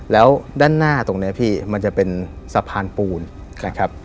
แล้วด้านหน้าตรงนี้พี่มันจะเป็นสะพานปูนนะครับ